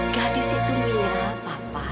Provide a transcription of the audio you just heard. gadis itu mira papa